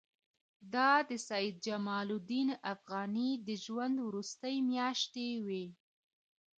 دا د سید جمال الدین افغاني د ژوند وروستۍ میاشتې وې.